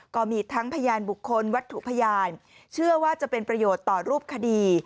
ก็มีทั้งพยานบุคคลวัตถุพยานเชื่อว่าจะเป็นประโยชน์ต่อรูปคดี